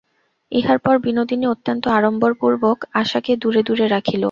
ইহার পর বিনোদিনী অত্যন্ত আড়ম্বরপূর্বক আশাকে দূরে দূরে রাখিল।